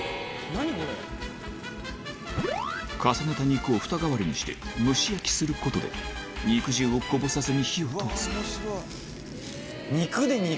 重ねた肉をフタ代わりにして蒸し焼きすることで肉汁をこぼさずに火を通すうわぁ面白い！